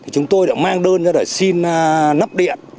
chúng tôi đã mang đơn để xin nắp điện